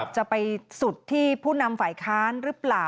จะไปสุดที่ผู้นำฝ่ายค้านหรือเปล่า